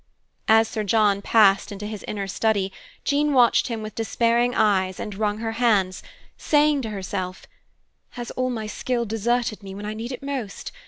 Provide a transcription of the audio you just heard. As Sir John passed into his inner study, Jean watched him with despairing eyes and wrung her hands, saying to herself, Has all my skill deserted me when I need it most?